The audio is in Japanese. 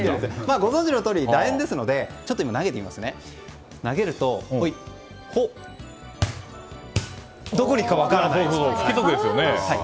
ご存じのとおり楕円なので投げるとどこに行くか分からないと。